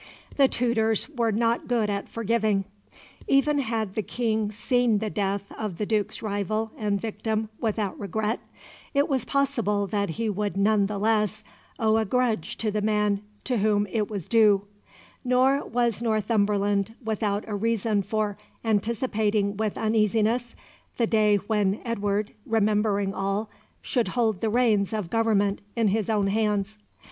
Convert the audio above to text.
The Tudors were not good at forgiving. Even had the King seen the death of the Duke's rival and victim without regret, it was possible that he would none the less owe a grudge to the man to whom it was due; nor was Northumberland without a reason for anticipating with uneasiness the day when Edward, remembering all, should hold the reins of Government in his own hands.